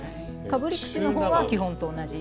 かぶり口の方は基本と同じ。